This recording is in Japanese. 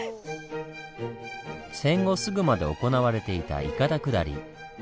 戦後すぐまで行われていた「いかだ下り」。